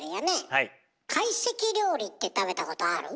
かいせき料理って食べたことある？